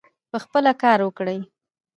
پخپله کار وکړي.